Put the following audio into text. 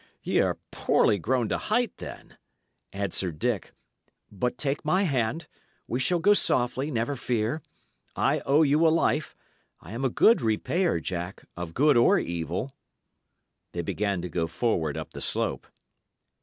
"Y' are poorly grown to height, then," answered Dick. "But take my hand. We shall go softly, never fear. I owe you a life; I am a good repayer, Jack, of good or evil." They began to go forward up the slope.